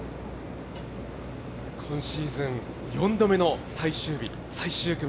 今シーズン４度目の最終日最終組。